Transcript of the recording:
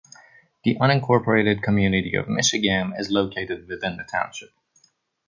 The unincorporated community of Michigamme is located within the township.